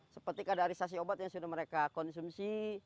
seperti kadarisasi obat yang sudah mereka konsumsi